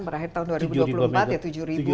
berakhir tahun dua ribu dua puluh empat ya tujuh ribu